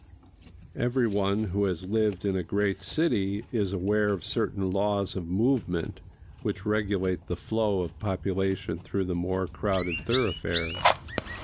Every one who has lived in a great city is aware of certain laws of movement which regulate [Pg 205] the flow of population through the more crowded thoroughfares.